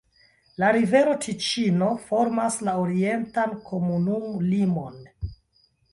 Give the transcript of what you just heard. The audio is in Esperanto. La rivero Tiĉino formas la orientan komunumlimon.